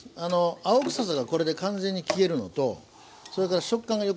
青臭さがこれで完全に消えるのとそれから食感が良くなります。